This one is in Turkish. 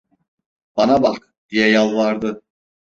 "Bana bak!" diye yalvardı.